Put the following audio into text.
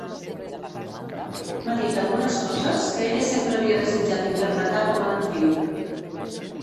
M'ha dit algunes coses que ella sempre havia desitjat interpretar com a actriu.